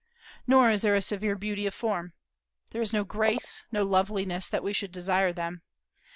Nor is there a severe beauty of form. There is no grace, no loveliness, that we should desire them.